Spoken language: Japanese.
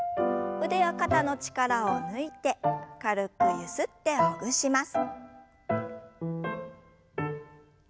腕や肩の力を抜いて軽くゆすってほぐします。